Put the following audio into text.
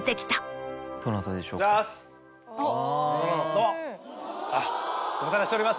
どうもご無沙汰しております。